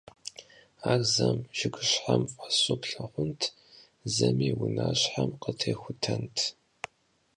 Ар зэм жыгыщхьэм фӀэсу плъагъунт, зэми унащхьэм къытехутэнт.